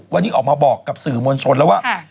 วันนี้ออกมาบอกกับสื่อมวลชนแล้วว่า